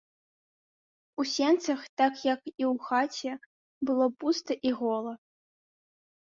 У сенцах, так як і ў хаце, было пуста і гола.